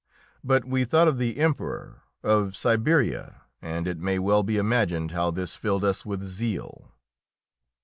But we thought of the Emperor, of Siberia, and it may well be imagined how this filled us with zeal!